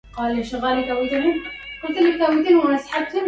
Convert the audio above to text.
أهاجك من سعدى الغداة طلول